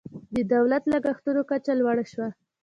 د دولت لګښتونو کچه لوړه شوه.